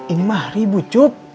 ini mah ribu cup